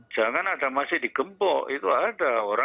jangan ada masih digembok itu ada